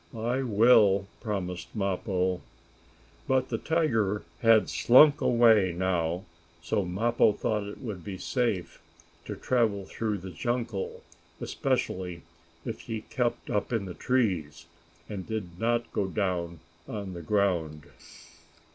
"I will," promised Mappo. But the tiger had slunk away now, so Mappo thought it would be safe to travel through the jungle, especially if he kept up in the trees, and did not go down on the ground.